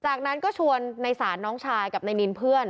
จากนั้นก็ชวนในศาลน้องชายกับนายนินเพื่อน